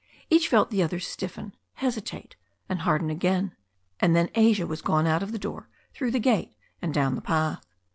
Each felt the other stiffen, hesitate, and harden again, and then Asia was gone out of the door, through the gate, and down the path.